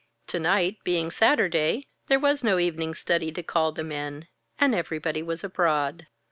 To night, being Saturday, there was no evening study to call them in, and everybody was abroad.